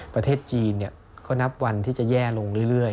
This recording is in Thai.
ประเทศจีนก็นับวันที่จะแย่ลงเรื่อย